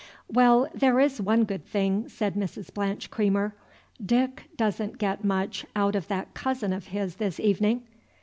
"Well, there is one good thing," said Mrs. Blanche Creamer; "Dick doesn't get much out of that cousin of his this evening!